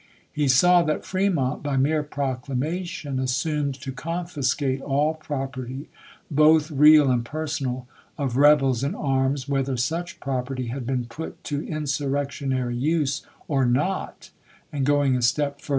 He saw that Fremont by mere proclamation assumed to confiscate all property, both real and personal, of rebels in arms, whether such property had been put to insurrectionary use or not, and, going a step fur 424 ABKAHAM LINCOLN ch. XXIV.